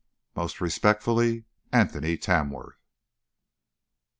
Most respectfully, ANTHONY TAMWORTH.